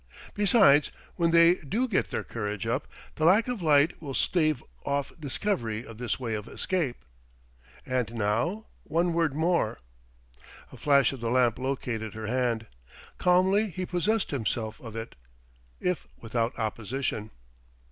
Besides, when they do get their courage up, the lack of light will stave off discovery of this way of escape.... And now, one word more." A flash of the lamp located her hand. Calmly he possessed himself of it, if without opposition.